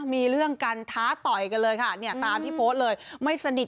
มีเรื่องกันท้าต่อยกันเลยค่ะเนี่ยตามที่โพสต์เลยไม่สนิท